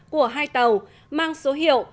của hai tàu mang số hiệu